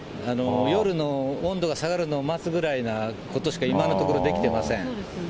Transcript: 夜の温度が下がるのを待つぐらいなことしか、今のところできてません。